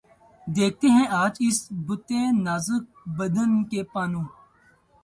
دکھتے ہیں آج اس بتِ نازک بدن کے پانو